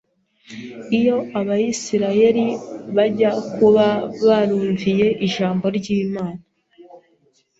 Iyo Abisirayeli bajya kuba barumviye ijambo ry’Imana,